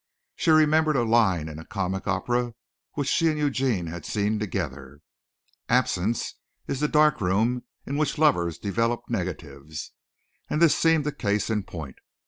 She remembered a line in a comic opera which she and Eugene had seen together: "Absence is the dark room in which lovers develop negatives" and this seemed a case in point.